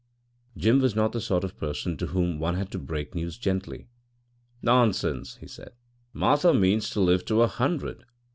Jim was not the sort of person to whom one had to break news gently. "Nonsense," he said; "Martha means to live to a hundred.